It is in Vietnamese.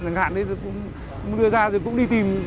ngân hàng ấy cũng đưa ra rồi cũng đi tìm